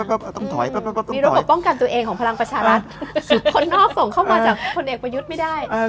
ก็ต้องถอยมีระบบป้องกันตัวเองของพลังประชารัฐคนนอกส่งเข้ามาจากคนเอกประยุทธ์ไม่ได้